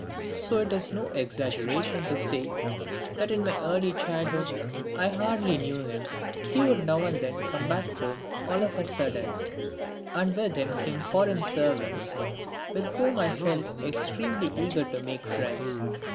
So it is no exaggeration to say that in my early childhood I hardly knew him. He would now and then come back home all of a sudden, and with him came foreign servants with whom I felt extremely eager to make friends.